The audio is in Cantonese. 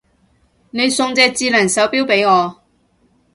你送隻智能手錶俾我